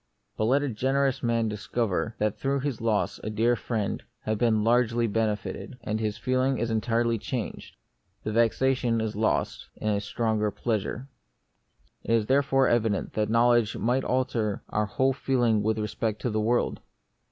But let a generous man discover that through that loss a dear friend has been largely benefited, and his feeling is entirely changed ; the vexation is lost in a stronger pleasure. It is therefore evident that knowledge might alter our whole feeling with respect to the world.